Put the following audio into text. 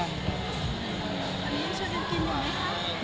อันนี้ยังช่วยกันกินไหม